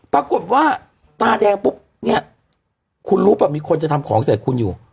ปรากฏว่าตาแดงปุ๊บเนี่ยคุณรู้ป่ะมีคนจะทำของใส่คุณอยู่